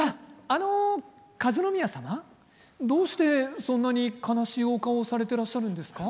あの和宮さまどうしてそんなに悲しいお顔をされてらっしゃるんですか？